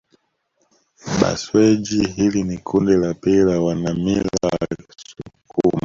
Bhasweji hili ni kundi la pili la wanamila wa kisukuma